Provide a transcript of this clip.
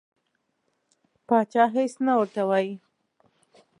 پاچا هیڅ نه ورته وایي.